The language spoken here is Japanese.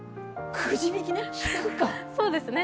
くじ引きか。